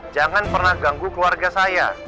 jangan pernah ganggu keluarga saya